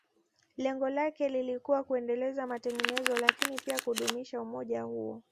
Lengo lake lilikuwa kuendeleza matengenezo lakini pia kudumisha umoja huo